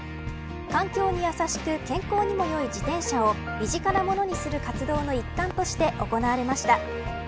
環境に優しく健康にも良い自転車を身近なものにする活動の一環として行われました。